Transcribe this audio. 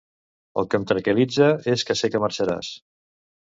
El que em tranquil·litza és que sé que marxaràs.